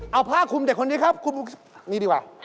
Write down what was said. เอาผ้าคุมเด็กคนนี้นี่ดีกว่า